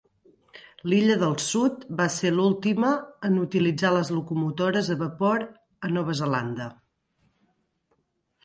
L'Illa del Sud va ser l'última en utilitzar les locomotores a vapor a Nova Zelanda.